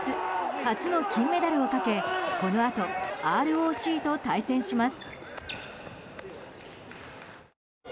初の金メダルをかけこのあとＲＯＣと対戦します。